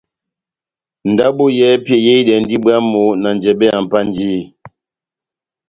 Ndabo yɛ́hɛ́pi eyehidɛndi bwámu na njɛbɛ ya Mpanjiyi.